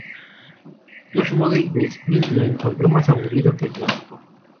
Josh Modell de Spin lo encontró "más aburrido que hipnótico".